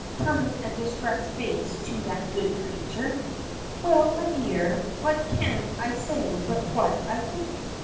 turning a distressed face to that good creature. "Well, me dear, what can I say but what I think?"